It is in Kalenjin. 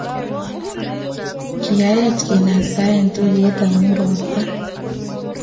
kiyaech kenaktaen tuiye omu robta